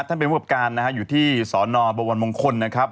ท่านเป็นผู้หการอยู่ที่ศนบวันมงคลนะครับ